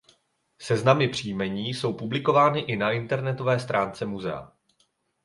Seznamy příjmení jsou publikovány i na internetové stránce muzea.